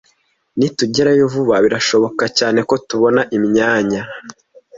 Nitugerayo vuba, birashoboka cyane ko tubona imyanya.